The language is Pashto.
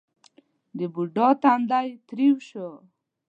د بوډا تندی ترېو شو: